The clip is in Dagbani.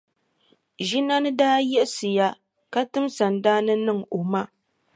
Ʒinani daa yiɣisiya ka tim sandaani niŋ o ma.